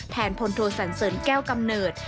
พลโทสันเสริญแก้วกำเนิด